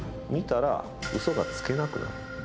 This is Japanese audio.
見たら、嘘がつけなくなる。